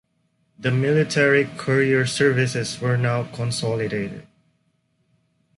The military courier services were now consolidated.